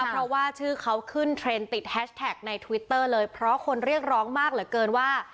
เพราะว่าชื่อเขาขึ้นเทรนด์ติดแฮชแท็กในทวิตเตอร์เลยเพราะคนเรียกร้องมากเหลือเกินว่า